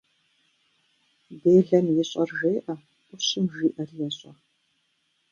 Делэм ищӏэр жеӏэ, ӏущым жиӏэр ещӏэ.